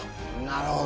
なるほど。